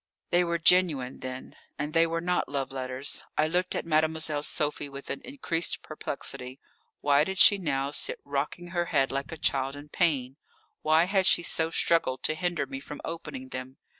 They were genuine, then. And they were not love letters. I looked at Mademoiselle Sophie with an increased perplexity. Why did she now sit rocking her head like a child in pain? Why had she so struggled to hinder me from opening them?